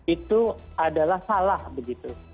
itu adalah salah begitu